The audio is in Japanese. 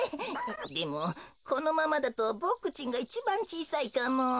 でもこのままだとボクちんがいちばんちいさいかも。